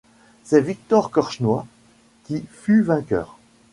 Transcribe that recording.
C'est Viktor Kortchnoï qui fut vainqueur.